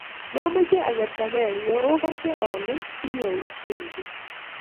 momeche akertagei ye okose ale ki oyutyen kiy